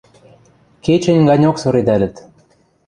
Кечӹнь ганьок соредӓлӹт.